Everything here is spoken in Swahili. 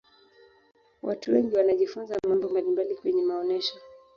watu wengi wanajifunza mambo mbalimbali kwenye maonesho